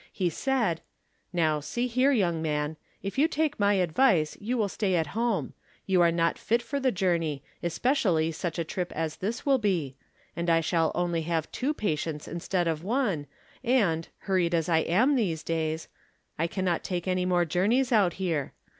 He said: " Now, see here, young man. If you take my advice you will stay at home. You are not fit for the journey, especially such a trip as this will be, and I shall only have two patients instead of one, and, hurried as'I am in these days, I can not take any more journeys out here.